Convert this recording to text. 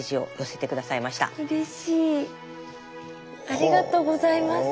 ありがとうございます。